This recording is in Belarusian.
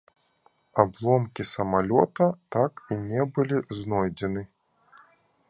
Абломкі самалёта так і не былі знойдзеныя.